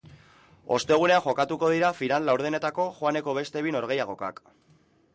Ostegunean jokatuko dira final-laurdenetako joaneko beste bi noregehiagokak.